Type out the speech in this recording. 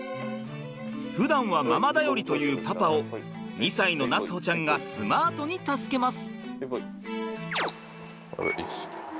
ふだんはママ頼りというパパを２歳の夏歩ちゃんがスマートに助けます！